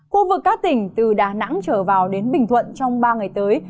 khu vực các tỉnh từ đà nẵng trở vào đến bình thuận trong ba ngày tới